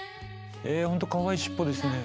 本当かわいい尻尾ですね。